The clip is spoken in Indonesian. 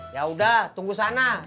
ya udah tunggu sana